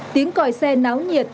tiếng còi xe náo nhiệt